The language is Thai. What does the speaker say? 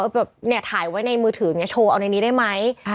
มิ้นก็ว่าเนี่ยถ่ายไว้ในมือถือโชว์เอาในนี้ได้ไหม